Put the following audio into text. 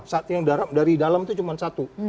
saat yang dari dalam itu cuma satu